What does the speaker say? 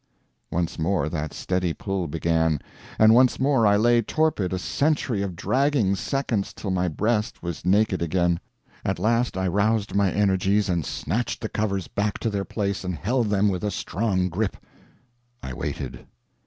Once more that steady pull began, and once more I lay torpid a century of dragging seconds till my breast was naked again. At last I roused my energies and snatched the covers back to their place and held them with a strong grip. I waited.